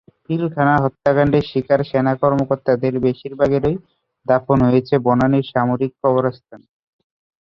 পিলখানা হত্যাকাণ্ডের শিকার সেনা কর্মকর্তাদের বেশির ভাগেরই দাফন হয়েছে বনানীর সামরিক কবরস্থানে।